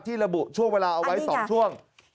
ระบุช่วงเวลาเอาไว้๒ช่วง